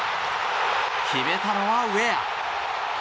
決めたのはウェア！